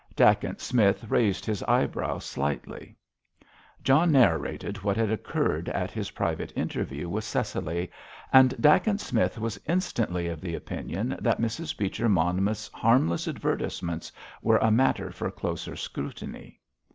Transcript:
Dacent Smith raised his eyebrows slightly. John narrated what had occurred at his private interview with Cecily, and Dacent Smith was instantly of the opinion that Mrs. Beecher Monmouth's harmless advertisements were a matter for closer scrutiny.